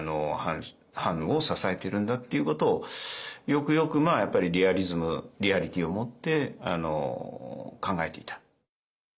藩を支えてるんだっていうことをよくよくやっぱりリアリズムリアリティーをもって考えていた。